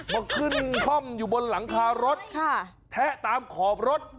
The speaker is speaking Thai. มาขึ้นคล่อมอยู่บนหลังคารถแทะตามขอบรถ